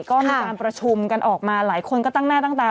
ก็มีการประชุมกันออกมาหลายคนก็ตั้งหน้าตั้งตา